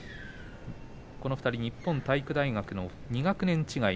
この２人、日本体育大学の２学年違い。